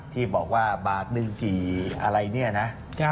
ที่บอกว่าบาทหนึ่งกี่อะไรเนี่ยนะ